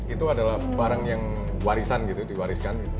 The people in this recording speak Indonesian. itu adalah barang yang diwariskan